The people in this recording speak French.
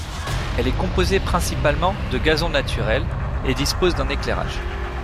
Elle est composée principalement de gazon naturel et dispose d'un éclairage.